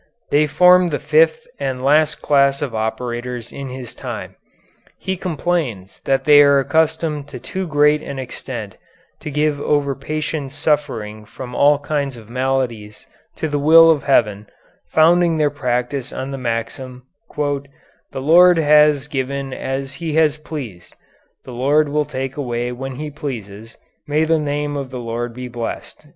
They formed the fifth and last class of operators in his time. He complains that they are accustomed to too great an extent to give over patients suffering from all kinds of maladies to the will of Heaven, founding their practice on the maxim 'The Lord has given as he has pleased; the Lord will take away when he pleases; may the name of the Lord be blessed.'